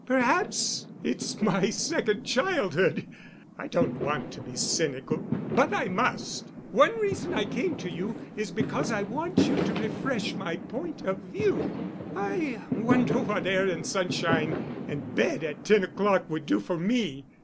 Perhaps it's my second childhood. I don't want to be cynical—but I must. One reason I came to you is because I want you to refresh my point of view. I wonder what air and sunshine and bed at ten o'clock would do for me.